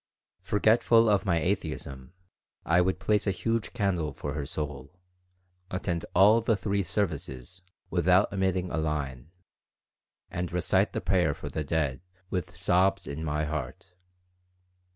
Forgetful of my atheism, I would place a huge candle for her soul, attend all the three services, without omitting a line, and recite the prayer for the dead with sobs in my heart.